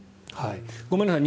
ごめんなさい